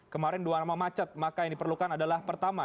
kemarin dua nama macet maka yang diperlukan adalah pertama